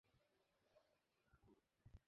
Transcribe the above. হ্যাঁ, তারপরই সেবিষয়ে মানুষের আগ্রহ বেড়ে যায়।